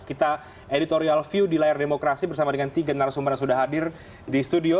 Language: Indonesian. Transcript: kita editorial view di layar demokrasi bersama dengan tiga narasumber yang sudah hadir di studio